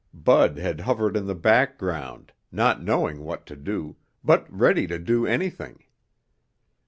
Bud had hovered in the background, not knowing what to do, but ready to do anything.